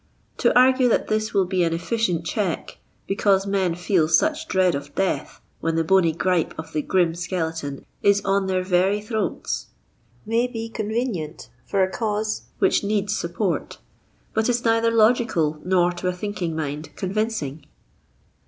To argue that this will be an efficient check, because men feel such dread of death when the bony gripe of the grim skeleton is on [their very throats, may be convenient for a cause which 45 needs support, but is neitlier logical nor to a thinking mind convincing.